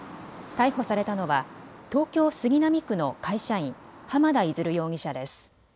逮捕されたのは東京杉並区の会社員、濱田出容疑者です。